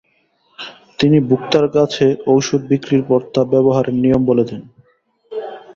তিনি ভোক্তার কাছে ওষুধ বিক্রির পর তা ব্যবহারের নিয়ম বলে দেন।